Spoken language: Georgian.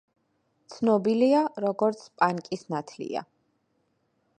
ცნობილია, როგორც „პანკის ნათლია“.